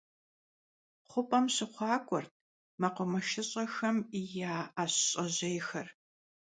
Xhup'em şıxhuak'uert mekhumeşış'exem ya 'eş ş'ejêyxer.